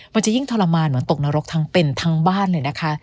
มันจะยิ่งทรมานเหมือนตกนรกทั้งเป็นทั้งบ้านเลยนะคะ